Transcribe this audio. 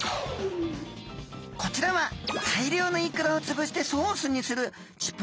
こちらは大量のイクラをつぶしてソースにするあっ